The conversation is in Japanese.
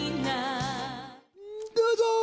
どうぞ。